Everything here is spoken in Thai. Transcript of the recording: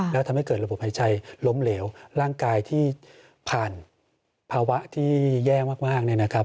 แล้วทำให้เกิดระบบหายใจล้มเหลวร่างกายที่ผ่านภาวะที่แย่มากเนี่ยนะครับ